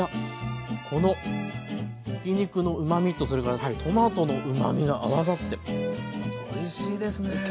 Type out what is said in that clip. このひき肉のうまみとそれからトマトのうまみが合わさっておいしいですね。